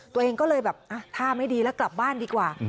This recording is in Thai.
ตัวเองก็เลยแบบท่าไม่ดีแล้วกลับบ้านดีกว่า